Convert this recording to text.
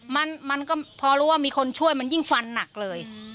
มันมันก็พอรู้ว่ามีคนช่วยมันยิ่งฟันหนักเลย